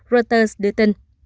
reuters đưa tin